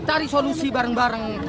cari solusi bareng bareng